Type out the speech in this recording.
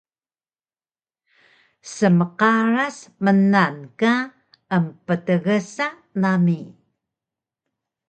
Smqaras mnan ka emptgsa nami